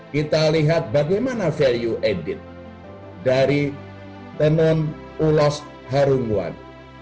kita lihat bagaimana value added dari tenun ulos harunguan